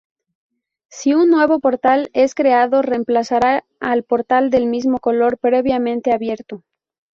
Si un nuevo portal es creado, reemplazará al portal del mismo color previamente abierto.